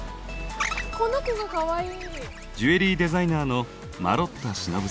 この子がかわいい。